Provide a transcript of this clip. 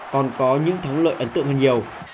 còn có những thắng lợi ấn tượng hơn nhiều